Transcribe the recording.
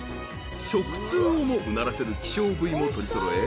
［食通をもうならせる希少部位も取り揃え